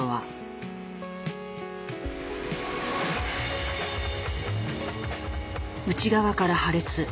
内側から破裂。